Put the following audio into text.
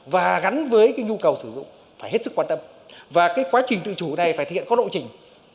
và gắn với cái nhu cầu sử dụng phải hết sức quan tâm và cái quá trình tự chủ này phải thực hiện có lộ trình